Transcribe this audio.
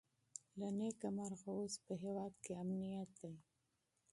له نېکمرغه اوس په هېواد کې امنیت دی.